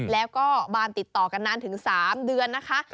แล้วก็บานติดต่อกันนานถึง๓เดือนนะคะ